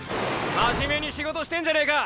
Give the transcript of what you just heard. まじめに仕事してんじゃねーか！！